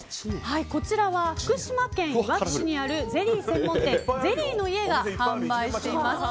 こちらは福島県いわき市にあるゼリー専門店ゼリーのイエが販売しています。